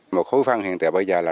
một khối phân hiện tại bây giờ là